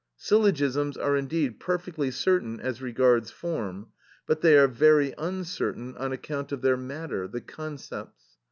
Syllogisms are indeed perfectly certain as regards form, but they are very uncertain on account of their matter, the concepts.